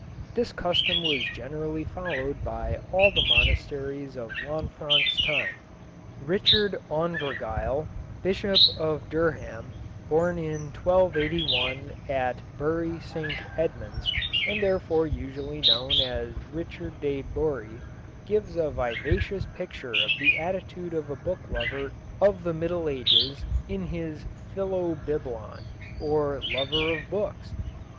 This custom was generally followed by all the monasteries of Lanfranc's time. Richard Aungervyle, Bishop of Durham, born in 1281 at Bury St Edmund's, and therefore usually known as Richard de Bury, gives a vivacious picture of the attitude of a book lover of the Middle Ages in his Philobiblon, or Lover of Books.